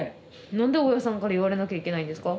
何で大家さんから言われなきゃいけないんですか？